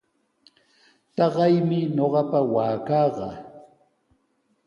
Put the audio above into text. Taqaymi ñuqapa waakaqa.